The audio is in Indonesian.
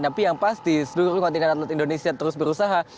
tapi yang pasti seluruh kontingen atlet indonesia terus berusaha